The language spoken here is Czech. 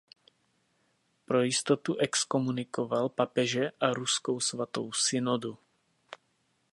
Pro jistotu exkomunikoval papeže a Ruskou svatou synodu.